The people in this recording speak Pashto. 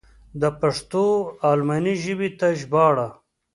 د پښتو و الماني ژبې ته ژباړه.